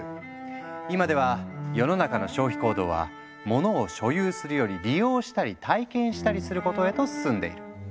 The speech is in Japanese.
今では世の中の消費行動はモノを「所有する」より「利用したり体験したりする」ことへと進んでいる。